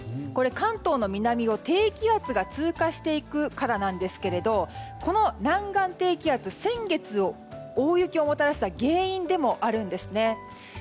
関東の南を低気圧が通過していくからなんですけどこの南岸低気圧先月、大雪をもたらした原因でもあるんですね。